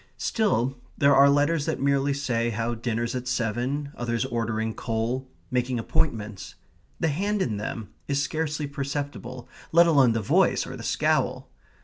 Still, there are letters that merely say how dinner's at seven; others ordering coal; making appointments. The hand in them is scarcely perceptible, let alone the voice or the scowl.